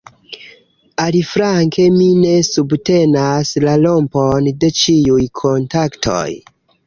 Aliflanke mi ne subtenas la rompon de ĉiuj kontaktoj.